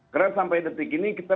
karena sampai detik ini kita